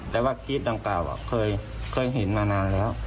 แต่ว่ากิ๊บต่างกล้าวเคยเห็นมานานแล้ว